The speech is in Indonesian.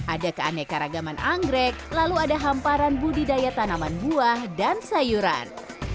ada keanekaragaman anggrek lalu ada hamparan budidaya tanaman buah dan sayuran